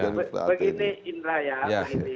begini indra ya